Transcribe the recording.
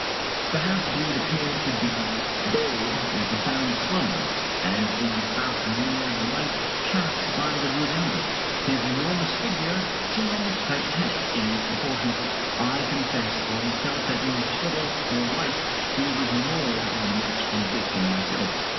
The half breed appeared to be buried in a profound slum ber, and in the half weird light cast by the wood embers, his enormous figure seemed almost titanic in its propor tions. I confess I felt that in a struggle for life he was more than a match for Dick and myself.